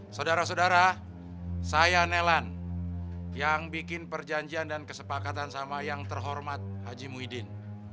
saudara saudara saya nelan yang bikin perjanjian dan kesepakatan sama yang terhormat haji muhyiddin